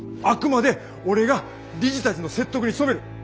あくまで俺が理事たちの説得に努める。